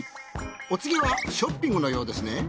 お次はショッピングのようですね。